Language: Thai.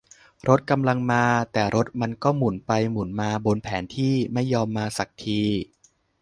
รถกำลังมา แต่รถมันก็หมุนไปหมุนมาบนแผนที่ ไม่ยอมมาสักที